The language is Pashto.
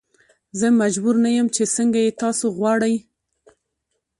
زه مجبور نه یم چې څنګه یې تاسو غواړئ.